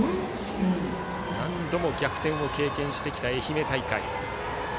何度も逆転を経験してきた愛媛大会。